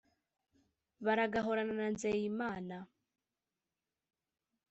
baragahorana na nzeyimana